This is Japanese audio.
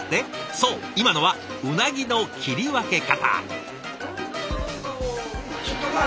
そう今のはうなぎの切り分け方！